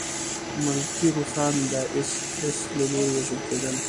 ملکي روسان د اېس ایس له لوري وژل کېدل